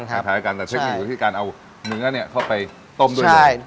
คล้ายกันแต่เทคนิคที่การเอาเนื้อเข้าไปต้มด้วยเลย